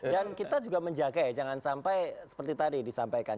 dan kita juga menjaga ya jangan sampai seperti tadi disampaikan